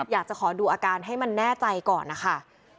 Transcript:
อยากจะขอดูอาการให้มันแน่ใจก่อนนะคะ